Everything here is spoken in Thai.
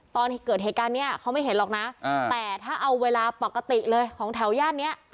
ตอนเกิดเหตุการณ์เนี้ยเขาไม่เห็นหรอกนะแต่ถ้าเอาเวลาปกติเลยของแถวย่านนี้